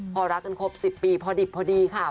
พอรักกันครบ๑๐ปีพอดิบพอดีค่ะ